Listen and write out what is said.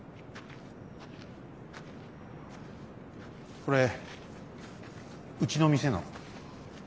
これうちの店の。